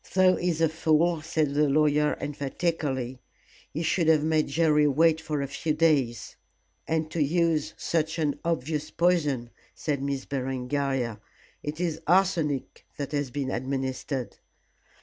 "Though he's a fool," said the lawyer, emphatically. "He should have made Jerry wait for a few days." "And to use such an obvious poison," said Miss Berengaria; "it is arsenic that has been administered."